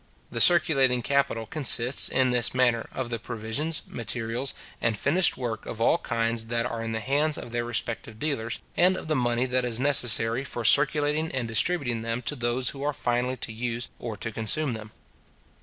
The circulating capital consists, in this manner, of the provisions, materials, and finished work of all kinds that are in the hands of their respective dealers, and of the money that is necessary for circulating and distributing them to those who are finally to use or to consume them.